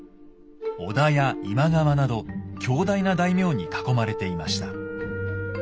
織田や今川など強大な大名に囲まれていました。